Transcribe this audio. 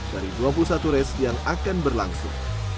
dari dua puluh satu race yang akan berlangsung